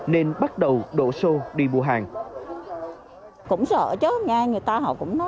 nên bắt đầu đổ xô đi mua hàng